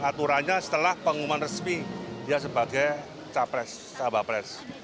aturannya setelah pengumuman resmi dia sebagai capres sahabat pres